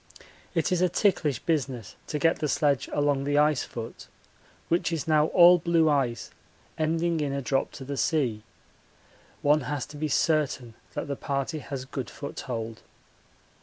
It is a ticklish business to get the sledge along the ice foot, which is now all blue ice ending in a drop to the sea. One has to be certain that the party has good foothold.